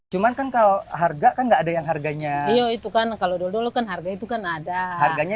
cuman kan kalau harga kan enggak ada yang harganya iya itu kan kalau dulu dulu kan harga itu kan ada harganya